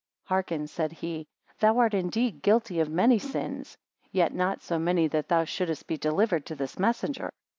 Hearken, said he: Thou art indeed guilty of many sins, yet not so many that thou shouldest be delivered to this messenger.